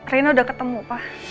reina sudah ketemu pak